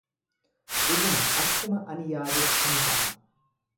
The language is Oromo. Dhuguma akkuma ani yaadetti ni ta’a.